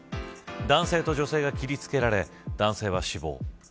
男性と女性が切りつけられ男性は死亡。